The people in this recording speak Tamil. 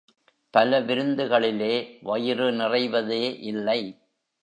பல விருந்துகளிலே, வயிறு நிறைவதே இல்லை!